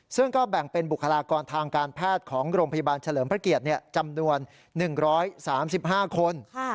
ซึ่งก็แบ่งเป็นบุคลากรทางการแพทย์ของโรงพยาบาลเฉลิมพระเกียรติจำนวน๑๓๕คน